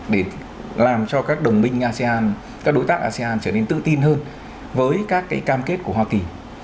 để làm cho các đồng minh asean các đối tác asean trở nên tự tin hơn với các cam kết của hoa kỳ